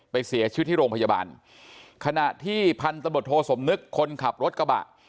เสียชีวิตที่โรงพยาบาลขณะที่พันธบทโทสมนึกคนขับรถกระบะ